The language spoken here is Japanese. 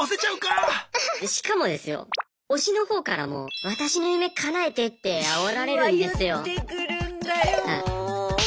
しかもですよ推しの方からもってあおられるんですよ。